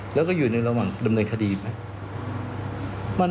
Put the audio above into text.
แล้วก็อยู่ในระหว่างดำเนินคดีไหม